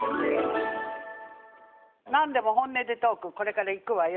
なんでも本音でトーク、これからいくわよ。